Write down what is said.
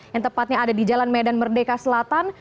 yang tepatnya ada di jalan medan merdeka selatan